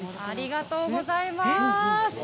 ありがとうございます。